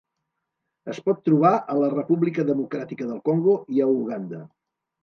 Es pot trobar a la República Democràtica del Congo i a Uganda.